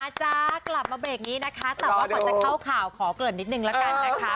จ๊ะกลับมาเบรกนี้นะคะแต่ว่าก่อนจะเข้าข่าวขอเกริ่นนิดนึงละกันนะคะ